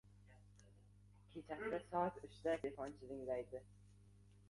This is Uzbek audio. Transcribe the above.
Kechasi soat uchda telefon jiringlaydi: